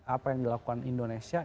apa yang dilakukan indonesia